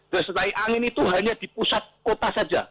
geserai angin itu hanya di pusat kota saja